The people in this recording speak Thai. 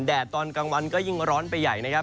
ตอนกลางวันก็ยิ่งร้อนไปใหญ่นะครับ